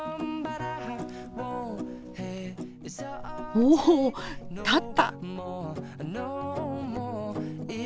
おお立った！